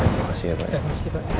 makasih ya bapak